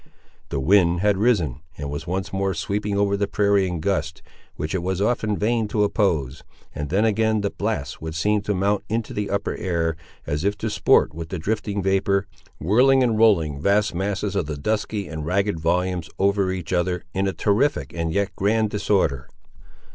The wind had risen, and was once more sweeping over the prairie in gusts, which it was often vain to oppose; and then again the blasts would seem to mount into the upper air, as if to sport with the drifting vapour, whirling and rolling vast masses of the dusky and ragged volumes over each other, in a terrific and yet grand disorder.